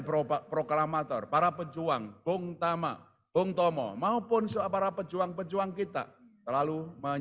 berobat proklamator para pejuang bung tama bung tomo maupun para pejuang pejuang kita selalu